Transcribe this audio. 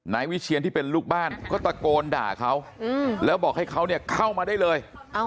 นายวิเชียนที่เป็นลูกบ้านก็ตะโกนด่าเขาแล้วบอกให้เขาเนี่ยเข้ามาได้เลย